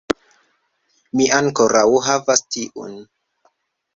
Mi ankoraŭ havas tiun